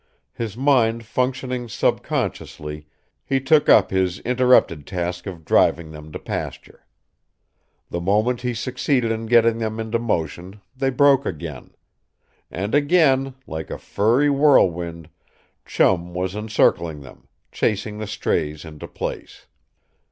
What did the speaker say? His mind functioning subconsciously, he took up his interrupted task of driving them to pasture. The moment he succeeded in getting them into motion they broke again. And again, like a furry whirlwind, Chum was encircling them; chasing the strays into place.